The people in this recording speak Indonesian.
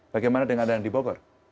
bagaimana dengan yang di bogor